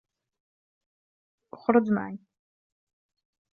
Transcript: اُخْرُجْ مَعِي